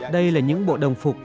đây là những bộ đồng phục